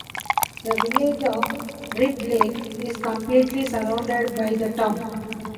The Village of Rib Lake is completely surrounded by the town.